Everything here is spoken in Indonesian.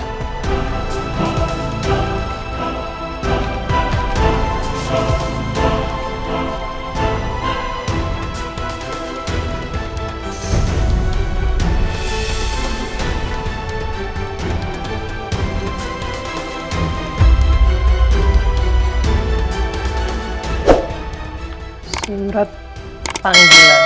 surat pemanggilan pemiksaan